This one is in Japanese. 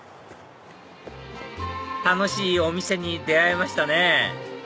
楽しいお店に出会えましたね